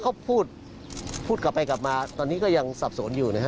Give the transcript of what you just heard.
เขาพูดพูดกลับไปกลับมาตอนนี้ก็ยังสับสนอยู่นะฮะ